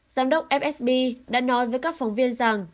giám đốc fsb đã nói với các phóng viên rằng